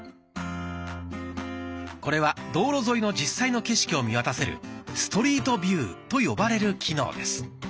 これは道路沿いの実際の景色を見渡せる「ストリートビュー」と呼ばれる機能です。